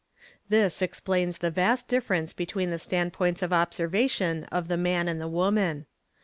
'' This explains the vast difference between the standpoints of observation of the man and the woman.